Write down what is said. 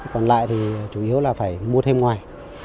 còn lại thì chủ yếu là phải mua thêm ngoài